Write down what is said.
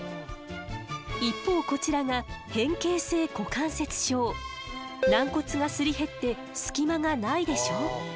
一方こちらが軟骨がすり減って隙間がないでしょう？